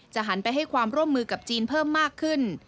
หันไปให้ความร่วมมือกับจีนเพิ่มมากขึ้น